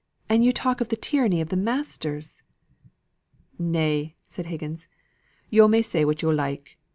And you talk of the tyranny of the masters!" "Nay," said Higgins, "yo' may say what yo' like.